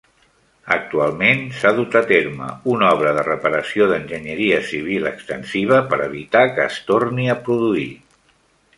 Actualment s'ha dut a terme una obra de reparació d'enginyeria civil extensiva per evitar que es torni a produir.